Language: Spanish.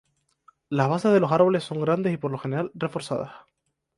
Las bases de los árboles son grandes y por lo general, reforzadas.